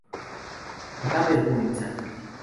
Me da vergüenza".